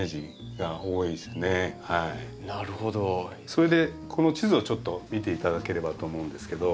それでこの地図をちょっと見て頂ければと思うんですけど。